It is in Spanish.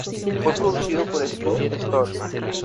Fue producido por Scott Storch.